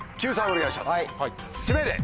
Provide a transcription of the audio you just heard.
お願いします。